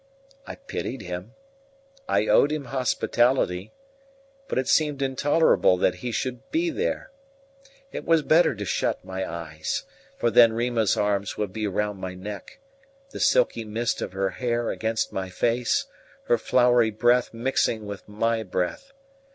I pitied him; I owed him hospitality; but it seemed intolerable that he should be there. It was better to shut my eyes; for then Rima's arms would be round my neck; the silky mist of her hair against my face, her flowery breath mixing with my breath.